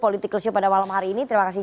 political show pada malam hari ini terima kasih